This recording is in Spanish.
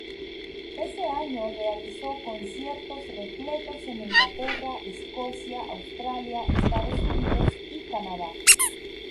Ese año, realizó conciertos repletos en Inglaterra, Escocia, Australia, Estados Unidos y Canadá.